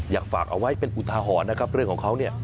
อยากฝากเอาไว้เป็นอุทาหรณ์นะครับเรื่องของเขาเนี่ย